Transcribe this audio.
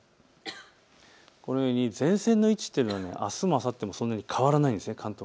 このように前線の位置というのはあすもあさってもそんなに変わらないんです。